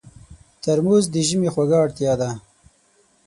ترموز د ژمي خوږه اړتیا ده.